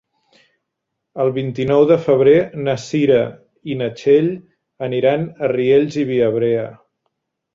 El vint-i-nou de febrer na Cira i na Txell aniran a Riells i Viabrea.